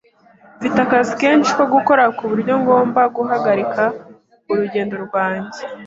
Mfite akazi kenshi ko gukora kuburyo ngomba guhagarika urugendo rwanjye.